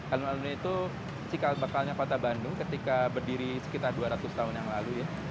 alun alun itu cikal bakalnya kota bandung ketika berdiri sekitar dua ratus tahun yang lalu ya